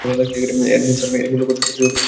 এজেন্সির এক মূল্যবান সম্পদ চুরি করেছে সিয়েরা সিক্স।